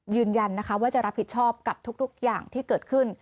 ยืนยันนะคะว่าจะรับผิดชอบกับทุกอย่างที่เกิดขึ้น